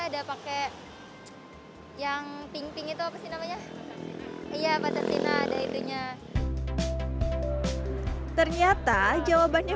ada pakai yang pink pink itu apa sih namanya iya pandatina ada itunya ternyata jawabannya